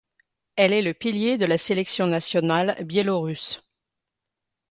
Elle est le pilier de la sélection nationale biélorusse.